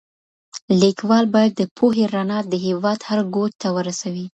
ليکوال بايد د پوهي رڼا د هېواد هر ګوټ ته ورسوي.